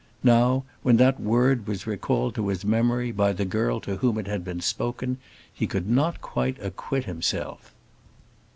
Now, when that word was recalled to his memory by the girl to whom it had been spoken, he could not quite acquit himself.